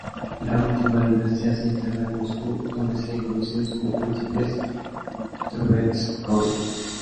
La última dinastía se instaló en Moscú, donde serían conocidos como príncipes Trubetskói.